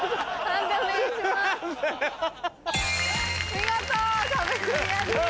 見事壁クリアです。